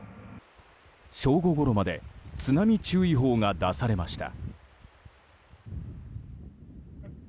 正午ごろまで津波注意報が出されました。